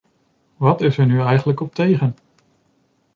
Wat is er nu eigenlijk op tegen?